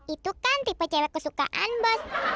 itu kan tipe cela kesukaan bos